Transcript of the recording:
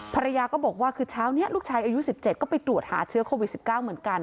ภรรยาก็บอกว่าคือเช้านี้ลูกชายอายุ๑๗ก็ไปตรวจหาเชื้อโควิด๑๙เหมือนกัน